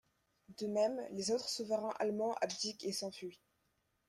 De même les autres souverains allemands abdiquent et s'enfuient.